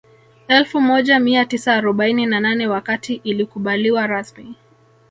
Elfu moja mia tisa arobaini na nane wakati ilikubaliwa rasmi